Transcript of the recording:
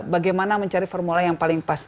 bagaimana mencari formula yang paling pas